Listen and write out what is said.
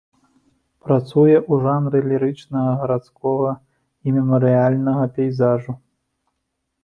Працуе ў жанры лірычнага, гарадскога і мемарыяльнага пейзажу.